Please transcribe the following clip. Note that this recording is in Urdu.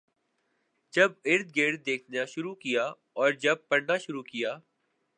جب اردگرد دیکھنا شروع کیا اور جب پڑھنا شروع کیا